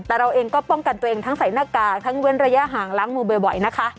แต่เราเองก็ป้องกันตัวเองทั้งใส่หน้ากากทั้งเว้นระยะห่างล้างมือบ่อยนะคะ